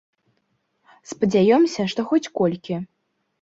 Спадзяёмся, што хоць колькі.